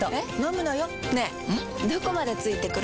どこまで付いてくる？